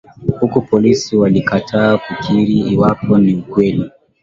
huku polisi wakikataa kukiri iwapo ni kweli